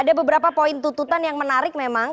ada beberapa poin tuntutan yang menarik memang